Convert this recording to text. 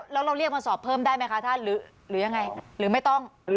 แล้วเราเรียกมาสอบเพิ่มได้ไหมคะท่านหรือยังไงหรือไม่ต้อง